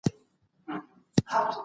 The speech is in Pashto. هغه څوک چې منډه وهي قوي کېږي.